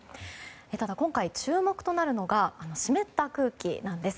ただ、今回注目となるのが湿った空気なんです。